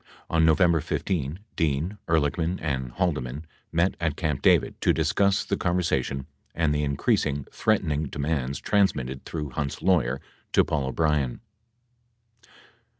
On November 15, Dean, Ehrlichman and Haldeman met at Camp David to discuss the conversation and the increasing, threatening demands transmitted through Hunt's lawyer to Paul O'Brien.